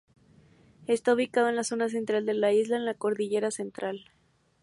Está ubicado en la zona central de la isla, en la cordillera central.